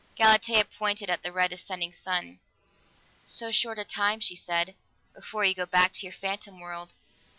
Galatea pointed at the red ascending sun. "So short a time," she said, "before you go back to your phantom world.